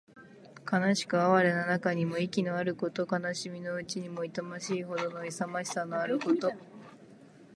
悲しく哀れな中にも意気のあること。悲しみのうちにも痛ましいほどの勇ましさのあること。